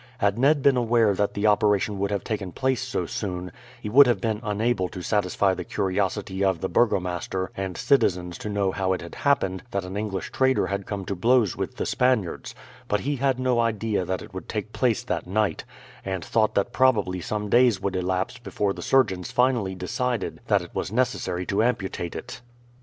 Had Ned been aware that the operation would have taken place so soon, he would have been unable to satisfy the curiosity of the burgomaster and citizens to know how it had happened that an English trader had come to blows with the Spaniards; but he had no idea that it would take place that night, and thought that probably some days would elapse before the surgeons finally decided that it was necessary to amputate it.